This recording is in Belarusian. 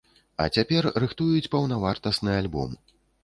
А цяпер рыхтуюць паўнавартасны альбом.